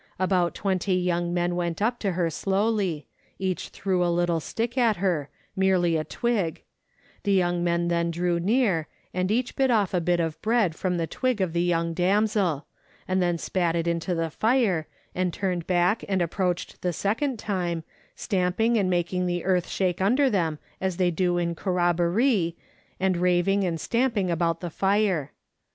About twenty young men went up to her slowly; each threw a little stick at her merely a twig ; the young men then drew near, and each bit off a bit of bread from the twig of the young damsel, and then spat it into the fire, and turned back and approached the second time, stamping and making the earth shake under them as they do in corrobboree, and raving and stamping out the fire.